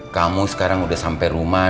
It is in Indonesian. kamu sekarang udah sampai rumah